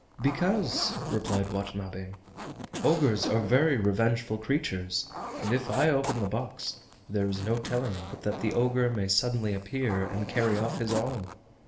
"Because," replied Watanabe, "ogres are very revengeful creatures, and if I open the box there is no telling but that the ogre may suddenly appear and carry off his arm.